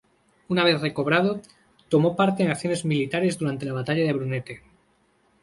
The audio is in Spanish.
Una vez recobrado, tomó parte en acciones militares durante la batalla de Brunete.